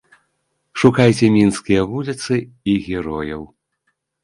Шукайце мінскія вуліцы і герояў.